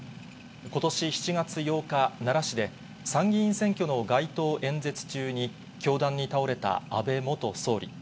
ことし７月８日、奈良市で参議院選挙の街頭演説中に凶弾に倒れた安倍元総理。